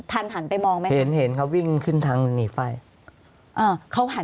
ทันหันไปมองไหมคะเห็นเห็นเขาวิ่งขึ้นทางหนีไฟอ่าเขาหัน